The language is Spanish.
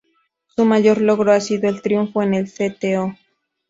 Su mayor logro ha sido el triunfo en el Cto.